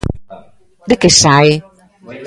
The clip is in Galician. ¿De que sae?